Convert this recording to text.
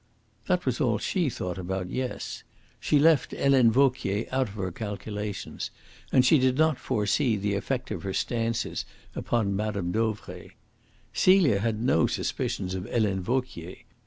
That was all she thought about, yes. She left Helene Vauquier out of her calculations, and she did not foresee the effect of her seances upon Mme. Dauvray. Celia had no suspicions of Helene Vauquier.